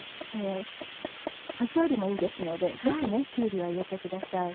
歯触りもいいですのでぜひきゅうりは入れてください。